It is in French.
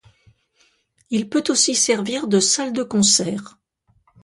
Il peut aussi servir de salle de concert.